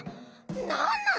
なんなの？